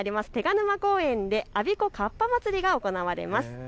手賀沼公園であびこカッパまつりが行われます。